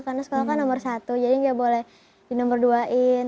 karena sekolah kan nomor satu jadi gak boleh di nomor dua in